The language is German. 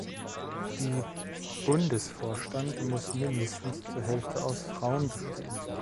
Die Bundesvorstand muss mindestens zur Hälfte aus Frauen bestehen.